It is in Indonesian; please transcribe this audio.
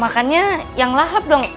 makannya yang lahap dong